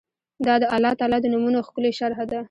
دا د الله تعالی د نومونو ښکلي شرح ده